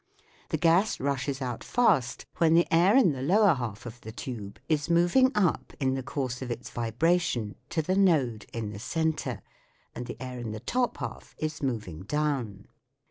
The gas rushes out fast when the air in the lower half of the tube is moving up in the course of its vibration to the node in the centre, and the air in the top half is moving down.